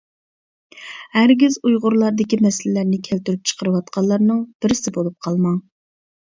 ھەرگىز ئۇيغۇرلاردىكى مەسىلىلەرنى كەلتۈرۈپ چىقىرىۋاتقانلارنىڭ بىرسى بولۇپ قالماڭ.